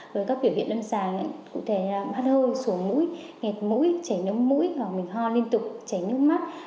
với các biểu hiện đâm sàng cụ thể là mắt hơi sổ mũi nghẹt mũi chảy nước mũi hoa liên tục chảy nước mắt